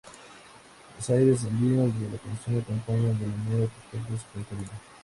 Los aires andinos de la canción acompañan de manera perfecta su contenido.